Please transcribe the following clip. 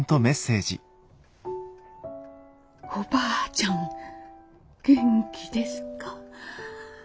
「おばあちゃん元気ですか？」。